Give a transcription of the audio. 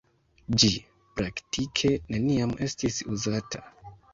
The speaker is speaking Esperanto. Ĝi praktike neniam estis uzata.